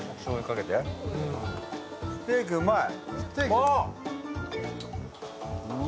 ステーキ、うまい！